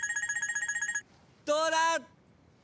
どうだ！？